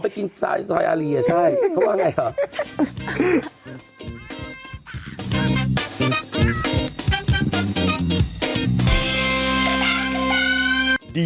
ไปกินอะไรอ๋อไปกินซอยอารีย์อ่ะใช่